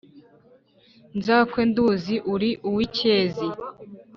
nzakwe nduzi uri uw'icyezi